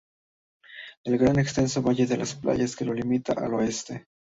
El gran y extenso valle de las Playas que lo limita al oeste.